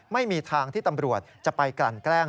ไม่มีทางที่ตำรวจจะไปกลั่นแกล้ง